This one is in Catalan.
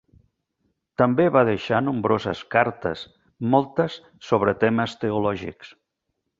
També va deixar nombroses cartes, moltes sobre temes teològics.